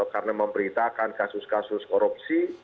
karena memberitakan kasus kasus korupsi